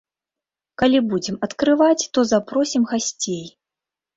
Калі будзем адкрываць, то запросім гасцей.